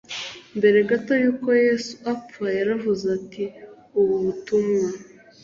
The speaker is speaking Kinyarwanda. mbere gato y uko yesu apfa yaravuze ati ubu butumwa